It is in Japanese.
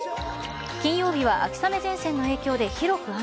金曜日は秋雨前線の影響で広く雨。